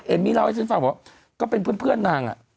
มี่เล่าให้ฉันฟังว่าก็เป็นเพื่อนนาง